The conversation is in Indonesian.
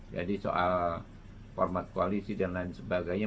jadi soal format koalisi dan lain sebagainya